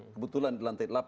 kebetulan di lantai delapan